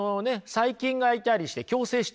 細菌がいたりして共生してると。